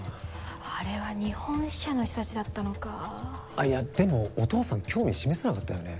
あれは日本支社の人達だったのかいやでもお父さん興味示さなかったよね